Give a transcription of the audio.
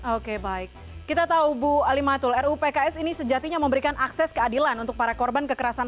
oke baik kita tahu bu alimatul rupks ini sejatinya memberikan akses keadilan untuk para korban kekerasan